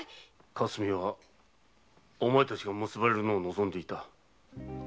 かすみはお前たちが結ばれるのを望んでいた。